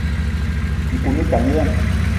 Nkou o ne tank ya ?